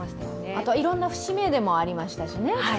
あとはいろんな節目でもありましたしね。